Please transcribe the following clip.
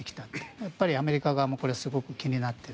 やっぱりアメリカ側もすごく気になっている。